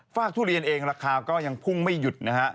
ทุเรียนเองราคาก็ยังพุ่งไม่หยุดนะฮะ